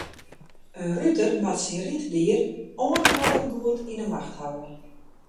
In ruter moat syn ryddier oanhâldend goed yn 'e macht hawwe.